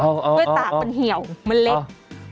ด้วยตากมันเหี่ยวมันเล็ก